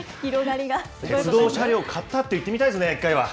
鉄道車両を買ったって、言ってみたいですね、一回は。